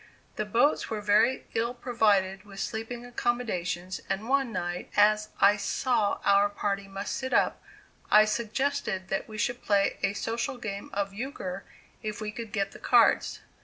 The boats were very ill provided with sleeping accommodations, and one night, as I saw our party must sit up, I suggested that we should play a social game of euchre if we could get the cards.